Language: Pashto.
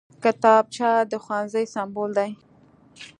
کتابچه د ښوونځي سمبول دی